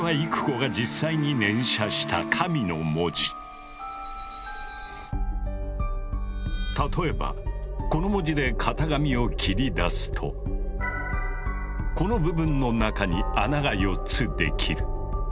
これは例えばこの文字で型紙を切り出すとこの部分の中に穴が４つできる。